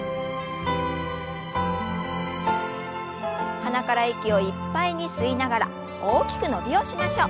鼻から息をいっぱいに吸いながら大きく伸びをしましょう。